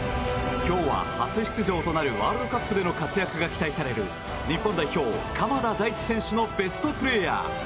今日は初出場となるワールドカップでの活躍が期待される日本代表、鎌田大地選手のベストプレーヤー。